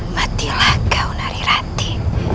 matilah kau narirati